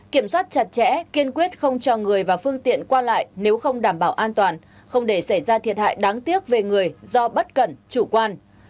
kiểm soát chặt chẽ kiên quyết không cho người và phương tiện qua lại nếu không đảm bảo an toàn không để xảy ra thiệt hại đáng tiếc về người do bất cẩn chủ quan